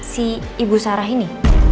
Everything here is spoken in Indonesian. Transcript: si ibu sarah ini